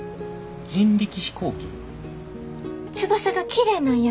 翼がきれいなんや。